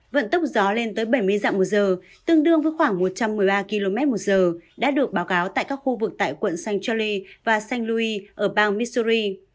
vận tốc gió lên tới bảy mươi dặm một giờ tương đương với khoảng một trăm một mươi ba km một giờ đã được báo cáo tại các khu vực tại quận st charlie và st louis ở bang missouri